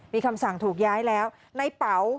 มีคำสั่งถูกย้ายแล้วในเป๋า